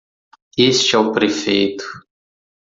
Este é o prefeito.